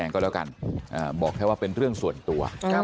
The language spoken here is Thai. เออบ้านหลังนี้ละ